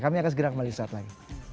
kami akan segera kembali saat lagi